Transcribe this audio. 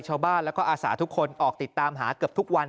ชาวบ้านแล้วก็อาสาทุกคนออกติดตามหาเกือบทุกวัน